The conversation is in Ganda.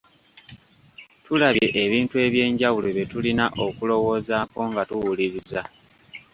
Tulabye ebintu eby’enjawulo bye tulina okulowoozaako nga tuwuliriza.